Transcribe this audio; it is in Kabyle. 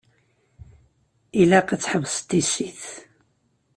Ilaq ad tḥebseḍ tissit.